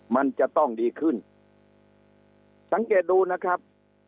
มันจะต้องดีขึ้นสังเกตดูนะครับ